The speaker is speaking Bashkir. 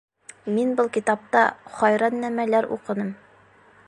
Мин был китапта хайран нәмәләр уҡыным.